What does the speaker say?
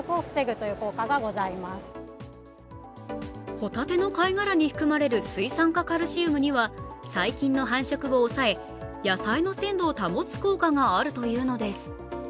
ホタテの貝殻に含まれる水酸化カルシウムには細菌の繁殖を抑え、野菜の鮮度を保つ効果があるというのです。